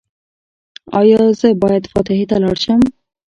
ایا زه باید فاتحې ته لاړ شم؟